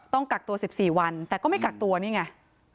กักตัว๑๔วันแต่ก็ไม่กักตัวนี่ไง